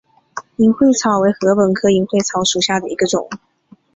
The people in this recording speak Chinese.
银穗草为禾本科银穗草属下的一个种。